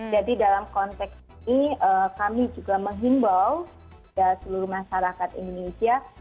jadi dalam konteks ini kami juga menghimbau seluruh masyarakat indonesia